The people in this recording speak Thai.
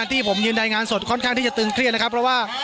ที่ผมยืนรายงานสดค่อนข้างที่จะตึงเครียดนะครับเพราะว่า